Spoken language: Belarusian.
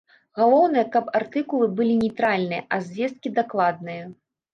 Галоўнае, каб артыкулы былі нейтральныя, а звесткі дакладныя.